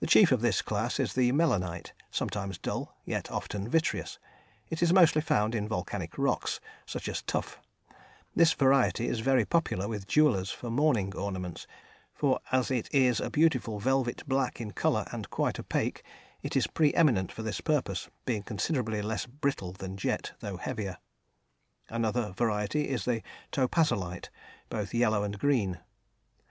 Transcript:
The chief of this class is the melanite, sometimes dull, yet often vitreous; it is mostly found in volcanic rocks, such as tuff; this variety is very popular with jewellers for mourning ornaments, for as it is a beautiful velvet black in colour and quite opaque, it is pre eminent for this purpose, being considerably less brittle than jet, though heavier. Another variety is the "topazolite," both yellow and green.